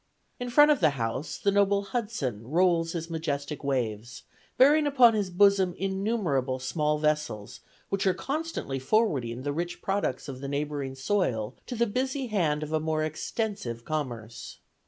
In front of the house, the noble Hudson rolls his majestic waves, bearing upon his bosom innumerable small vessels, which are constantly forwarding the rich products of the neighboring soil to the busy hand of a more extensive commerce.